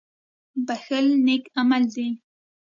• بښل نېک عمل دی.